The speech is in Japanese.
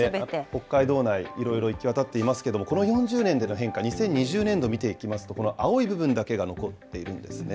北海道内、いろいろ行き渡っていますけれども、この４０年での変化、２０２０年度を見ていきますと、この青い部分だけが残っているんですね。